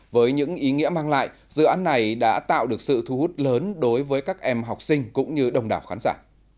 với những ý nghĩa mang lại dự án này đã tạo được sự thu hút lớn đối với các em học sinh cũng như đồng đảo khán giả